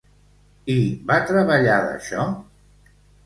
I va treballar d'això?